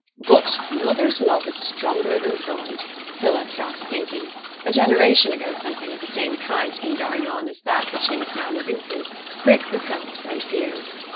But mother's love is stronger than pride.' Philip fell to thinking; a generation ago something of the same kind had been going on as that which he was now living through, quick with hopes and fears.